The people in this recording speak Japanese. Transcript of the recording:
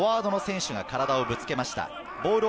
まずはフォワードの選手が体をぶつけました。